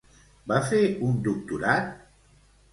Va fer un doctorat?